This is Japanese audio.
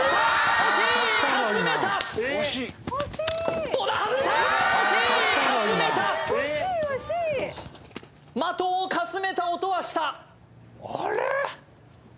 惜しいかすめた的をかすめた音はしたあれ？